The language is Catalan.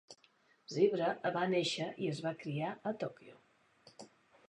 Zeebra va néixer i es va criar a Tòquio.